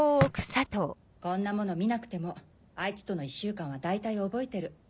こんなもの見なくてもあいつとの１週間は大体覚えてる。